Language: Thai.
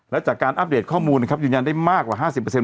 และจากการอัปเดตข้อมูลนะครับยืนยันได้มากกว่าห้าสิบเปอร์เซ็นต์